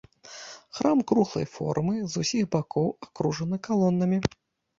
Храм круглай формы, з усіх бакоў акружаны калонамі.